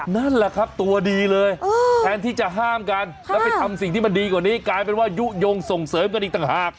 นั่นแหละครับตัวดีเลยแทนที่จะห้ามกันแล้วไปทำสิ่งที่มันดีกว่านี้กลายเป็นว่ายุโยงส่งเสริมกันอีกต่างหาก